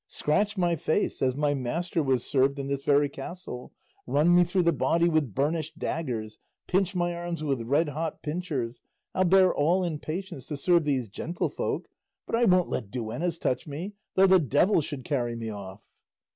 Scratch my face, as my master was served in this very castle; run me through the body with burnished daggers; pinch my arms with red hot pincers; I'll bear all in patience to serve these gentlefolk; but I won't let duennas touch me, though the devil should carry me off!"